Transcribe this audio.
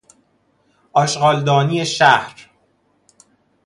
آشغالدانی شهر